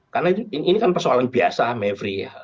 karena ini kan persoalan biasa maveri ya